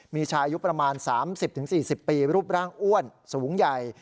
มีชายอายุประมาณ๓๐๔๐ปีรูปร่างอ้วนสูงใหญ่